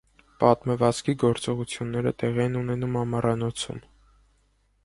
Պատմվածքի գործողությունները տեղի են ունենում ամառանոցում։